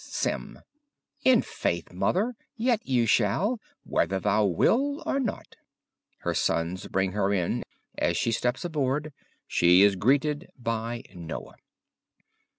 Sem In faith, mother, yett you shalle, Wheither thou wylte or (nought). _(Her sons bring her in; as she steps aboard she is greeted by Noah.)